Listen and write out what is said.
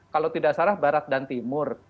kalau tidak salah barat dan timur